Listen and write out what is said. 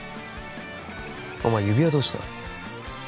お前指輪どうした？